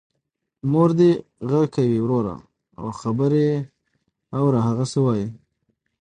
مور دی غږ کوې وروره او خبر یې اوره هغه څه وايي.